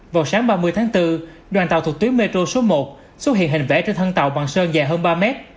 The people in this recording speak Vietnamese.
vào sáng ba mươi tháng bốn đoàn tàu thuộc tuyến metro số một xuất hiện hình vẽ trên thân tàu bằng sơn dài hơn ba mét